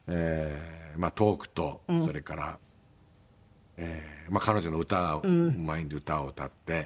トークとそれから彼女の歌うまいんで歌を歌って。